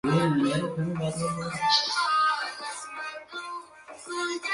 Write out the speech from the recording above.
Play in Calculation is simple.